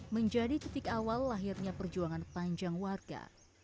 menjadi titik awal lahirnya perjuangan panjang warga